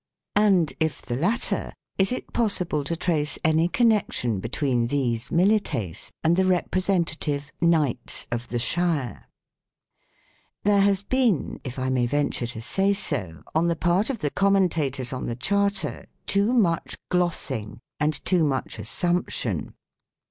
And, if the latter, is it possible to trace any connection between these "milites" and the representative " knights " of the shire ? There has been, if I may venture to say so, on the part of the commentators on the Charter, too much glossing and too much assumption.